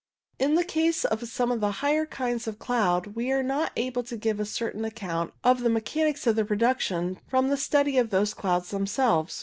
In the case of some of the higher kinds of cloud, we are not able to give any certain account of the mechanics of their production from a study of those clouds themselves.